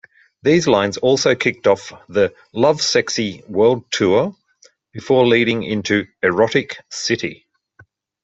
These lines also kicked off the Lovesexy World Tour, before leading into "Erotic City".